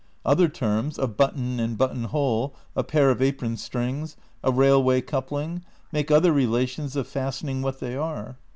Other terms, a button and button hole, a pair of apron strings, a railway coupling, make other relations of fastening what they are.